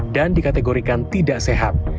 dan dikategorikan tidak sehat